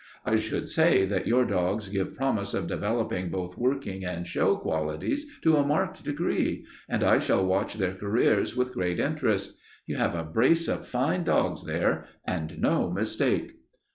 I should say that your dogs gave promise of developing both working and show qualities to a marked degree, and I shall watch their careers with great interest. You have a brace of fine dogs there, and no mistake."